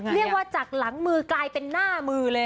จากหลังมือกลายเป็นหน้ามือเลย